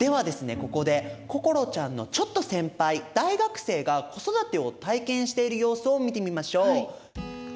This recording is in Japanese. ここで心ちゃんのちょっと先輩大学生が子育てを体験している様子を見てみましょう。